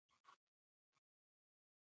نور اړتیا نه وه چې د توکو مستقیم لېږد وشي